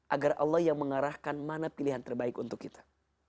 agar allah yang mengarahkan mana pilihan terbaik untuk kita